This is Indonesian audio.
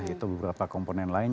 itu beberapa komponen lain